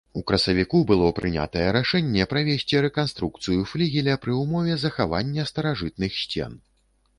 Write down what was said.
У красавіку было прынятае рашэнне правесці рэканструкцыю флігеля пры ўмове захавання старажытных сцен.